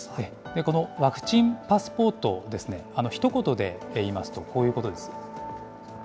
このワクチンパスポートですね、ひと言で言いますと、こういうことです。